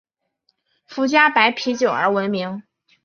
福佳白啤酒而闻名。